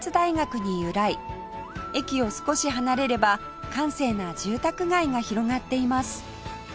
駅を少し離れれば閑静な住宅街が広がっています